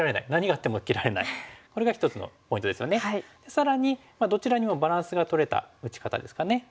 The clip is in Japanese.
更にどちらにもバランスがとれた打ち方ですかね。